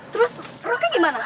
terus rohnya gimana